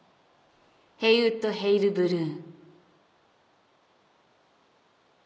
「ヘイウッド・ヘイル・ブルーン」